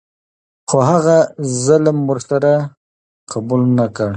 خو هغه ظلم ور سره قبوله نه کړه.